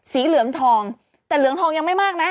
สีเหลืองทองแต่เหลืองทองยังไม่มากนะ